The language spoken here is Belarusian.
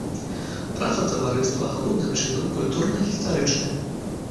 Праца таварыства галоўным чынам культурна-гістарычная.